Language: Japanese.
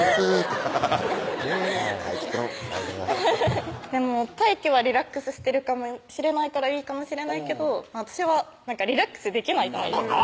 ハハハッねぇでも太貴はリラックスしてるかもしれないからいいかもしれないけど私はリラックスできないじゃないですか